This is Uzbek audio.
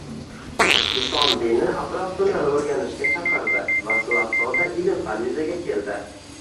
Islom dini atrof-dunyoni o‘rganishga chaqirdi va shu asnoda ilm-fan yuzaga keldi.